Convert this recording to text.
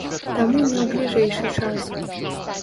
Таму не ў бліжэйшы час.